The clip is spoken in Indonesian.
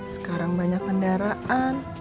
sekarang banyak kendaraan